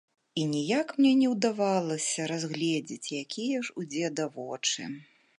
І ніяк мне не ўдавалася разгледзець, якія ж у дзеда вочы.